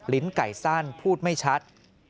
ไก่สั้นพูดไม่ชัด